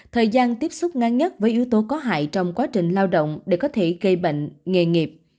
thời gian tiếp xúc ngang nhất với yếu tố có hại trong quá trình lao động để có thể gây bệnh nghề nghiệp